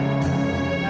jadi diam saja tuh rizky ya